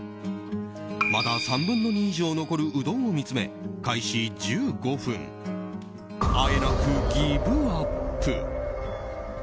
まだ３分の２以上残るうどんを見つめ開始１５分あえなくギブアップ！